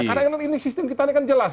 karena ini sistem kita kan jelas